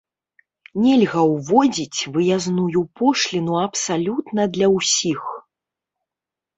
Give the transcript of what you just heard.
Нельга ўводзіць выязную пошліну абсалютна для ўсіх.